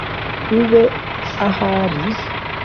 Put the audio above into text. ube ahari.